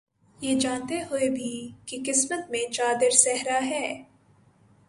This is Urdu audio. یہ جانتے ہوئے بھی، کہ قسمت میں چادر صحرا ہے